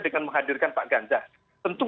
dengan menghadirkan pak ganjar tentu